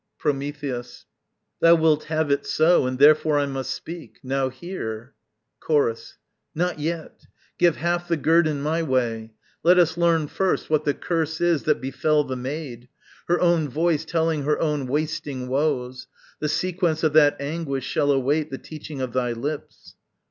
Prometheus. Thou wilt have it so, And therefore I must speak. Now hear Chorus. Not yet. Give half the guerdon my way. Let us learn First, what the curse is that befell the maid, Her own voice telling her own wasting woes: The sequence of that anguish shall await The teaching of thy lips.